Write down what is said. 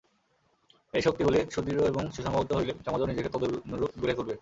এই শক্তিগুলি সুদৃঢ় এবং সুসংবদ্ধ হইলে সমাজও নিজেকে তদনুরূপ গড়িয়া তুলিবে।